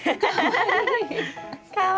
かわいい。